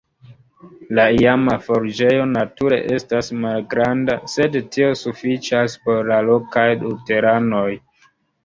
La iama forĝejo nature estas malgranda, sed tio sufiĉas por la lokaj luteranoj.